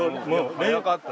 速かった。